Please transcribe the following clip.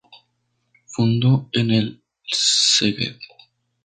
Fundó el en Szeged.